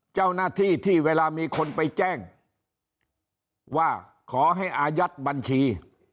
เจ้าหน้าที่ที่เวลามีคนไปแจ้งว่าขอให้อายัดบัญชี